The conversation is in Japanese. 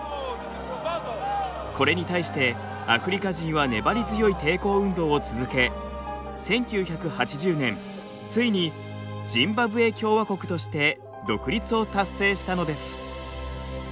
これに対してアフリカ人は粘り強い抵抗運動を続け１９８０年ついにジンバブエ共和国として独立を達成したのです。